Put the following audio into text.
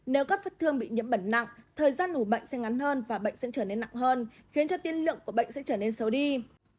nếu các vết thương bị nhiễm bẩn nặng thời gian ủ bệnh sẽ ngắn hơn và bệnh sẽ trở nên nặng hơn khiến cho tiên lượng của bệnh sẽ trở nên xấu đi